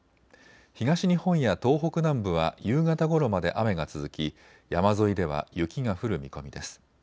東日本や東北南部は夕方ごろまで雨が続き山沿いでは雪が降る見込みです。